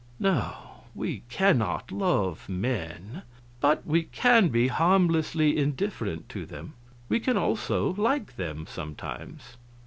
No, we cannot love men, but we can be harmlessly indifferent to them; we can also like them, sometimes.